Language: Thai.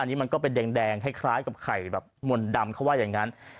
อันนี้มันก็เป็นแดงคล้ายกับไข่แบบมนต์ดำเขาว่าอย่างนั้น